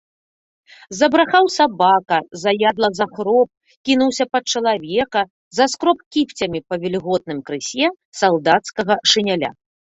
Забрахаў сабака, заядла захроп, кінуўся пад чалавека, заскроб кіпцямі па вільготным крысе салдацкага шыняля.